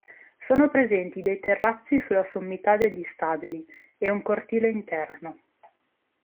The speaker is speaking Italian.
Sono presenti dei terrazzi sulla sommità degli stabili e un cortile interno.